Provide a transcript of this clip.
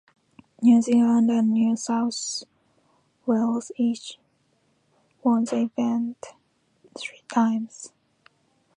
New Zealand and New South Wales each won the event three times.